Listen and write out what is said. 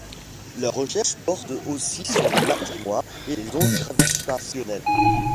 Leurs recherches portent aussi sur la matière noire et les ondes gravitationnelles.